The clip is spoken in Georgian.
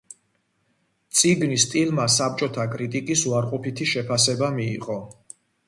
წიგნის სტილმა საბჭოთა კრიტიკის უარყოფითი შეფასება მიიღო.